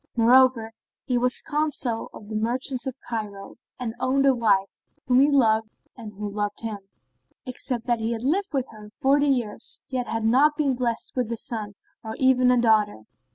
Moreover, he was Consul[FN#26] of the Merchants of Cairo and owned a wife, whom he loved and who loved him; except that he had lived with her forty years, yet had not been blessed with a son or even a daughter.